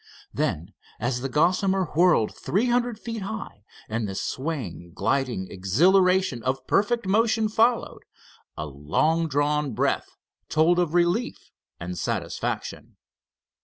Then, as the Gossamer whirled three hundred feet high, and the swaying, gliding exhilaration of perfect motion followed, a long drawn breath told of relief and satisfaction.